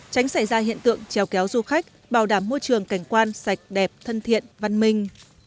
tránh xảy ra hiện tượng trèo kéo du khách bảo đảm môi trường cảnh quan sạch đẹp thân thiện văn minh